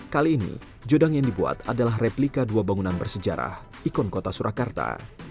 kali ini jodang yang dibuat adalah replika dua bangunan bersejarah ikon kota surakarta